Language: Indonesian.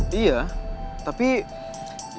buat apa sih